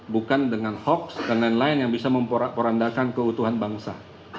bukan dengan hoax dan lain lain yang bisa memporak porandakan keutuhan bangsa